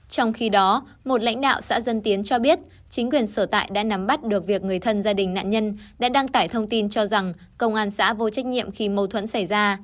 trong khi đó một lãnh đạo xã dân tiến cho biết chính quyền sở tại đã nắm bắt được việc người thân gia đình nạn nhân đã đăng tải thông tin cho rằng công an xã vô trách nhiệm khi mâu thuẫn xảy ra